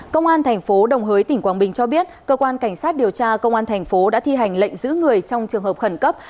công an thành phố đồng hới tỉnh quảng bình cho biết cơ quan cảnh sát điều tra công an thành phố đã thi hành lệnh giữ người trong trường hợp khẩn cấp